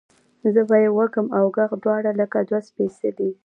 زه به یې وږم اوږغ دواړه لکه دوه سپیڅلي،